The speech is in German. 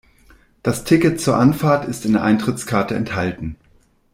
Das Ticket zur Anfahrt ist in der Eintrittskarte enthalten.